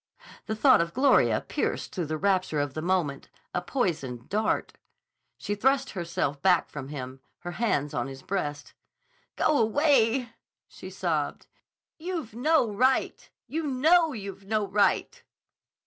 The thought of Gloria pierced through the rapture of the moment, a poisoned dart. She thrust herself back from him, her hands on his breast. "Go away!" she sobbed. "You've no right. You know you've no right!"